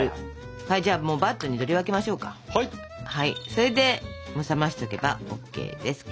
それで冷ましておけばＯＫです。